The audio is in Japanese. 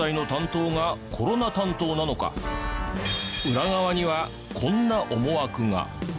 裏側にはこんな思惑が。